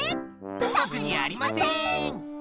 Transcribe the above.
とくにありません！